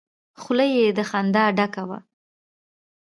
خوله يې له خندا ډکه وه.